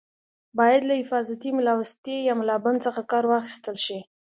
باید له حفاظتي ملاوستي یا ملابند څخه کار واخیستل شي.